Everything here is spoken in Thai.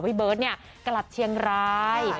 พี่เบิร์ตกลับเชียงราย